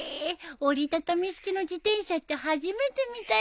折り畳み式の自転車って初めて見たよ。